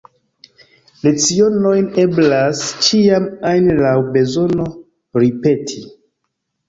Lecionojn eblas ĉiam ajn laŭ bezono ripeti.